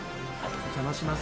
お邪魔します。